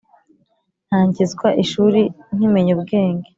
ntangizwa ishuri nkimenya ubwenge